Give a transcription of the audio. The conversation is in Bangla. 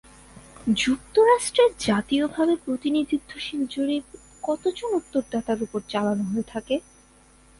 যুক্তরাষ্ট্রে জাতীয়ভাবে প্রতিনিধিত্বশীল জরিপ কতজন উত্তরদাতার ওপর চালানো হয়ে থাকে?